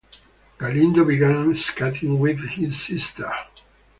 Galindo began skating with his sister.